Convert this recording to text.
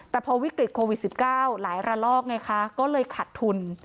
แต่พอวิกฤตโควิด๑๙หลายระลอกไงคะก็เลยขัดทุน